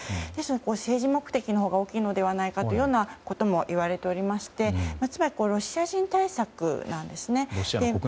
政治目的のほうが大きいのではないかということも言われておりましてつまりロシア人対策なんですね。